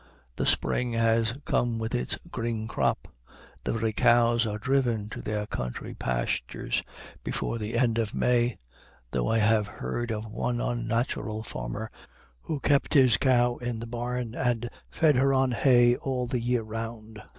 The spring has come with its green crop. The very cows are driven to their country pastures before the end of May; though I have heard of one unnatural farmer who kept his cow in the barn and fed her on hay all the year round.